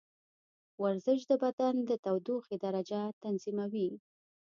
ورزش د بدن د تودوخې درجه تنظیموي.